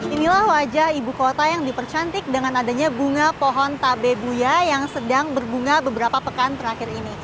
inilah wajah ibukota yang dipercantik dengan adanya bunga pohon tabe buya yang sedang berbunga beberapa pekan terakhir ini